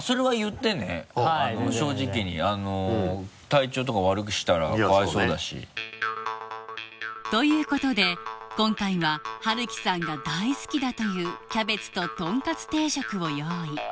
体調とか悪くしたらかわいそうだし。ということで今回はハルキさんが大好きだというキャベツととんかつ定食を用意